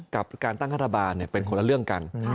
กับการตั้งรัฐบาลเป็นคนละเรื่องกัน